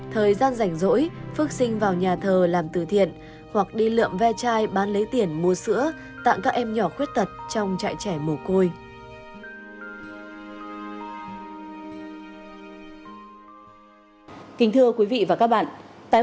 thời gian rảnh rỗi phước sinh vào nhà thờ làm từ thiện hoặc đi lượm ve chai bán lấy tiền mua sữa tặng các em nhỏ khuyết tật trong trại trẻ mồ côi